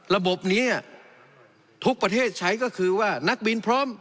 ระบบนี้ทุกประเทศใช้ก็คือว่านักบินพร้อม